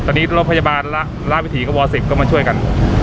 ตอนนี้รอพยาบาลราวิถีกับวอสิกก็มาช่วยกัน